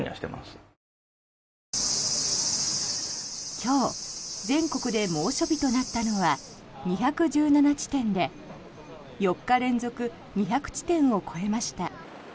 今日、全国で猛暑日となったのは２１７地点で４日連続２００地点を超えました。